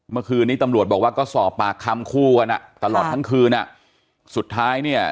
เมื่อคืนนี้ตำรวจบอกว่าก็สอบปากคำคู่กันอ่ะตลอดทั้งคืนอ่ะสุดท้ายเนี่ย